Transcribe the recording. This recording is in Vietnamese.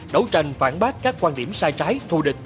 đấu tranh phản bác các quan điểm sai trái thù địch